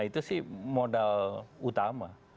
itu sih modal utama